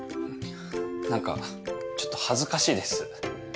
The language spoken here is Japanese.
何かちょっと恥ずかしいです。